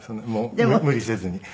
無理せずに。